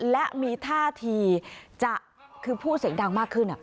และมีท่าทีจะคือพูดเสียงดังมากขึ้น